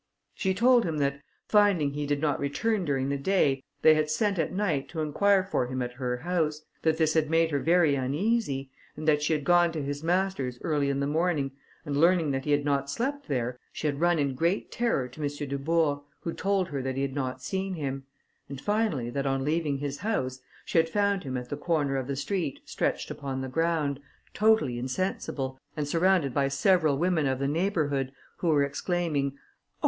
She told him that, finding he did not return during the day, they had sent at night to inquire for him at her house; that this had made her very uneasy, and that she had gone to his master's early in the morning, and learning that he had not slept there, she had run in great terror to M. Dubourg, who told her that he had not seen him; and finally, that on leaving his house, she had found him at the corner of the street stretched upon the ground, totally insensible, and surrounded by several women of the neighbourhood, who were exclaiming, "Oh!